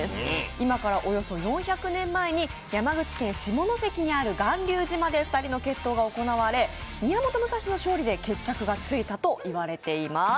今からおよそ４００年前に山口県下関にある巌流島で２人の決闘が行われ、宮本武蔵の勝利で決着がついたといわれています。